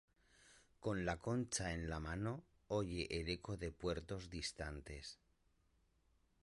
Con la concha en la mano oye el eco de puertos distantes.